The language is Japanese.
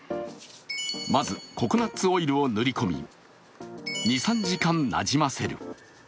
まずココナツオイルを塗り込み２３時間なじませる。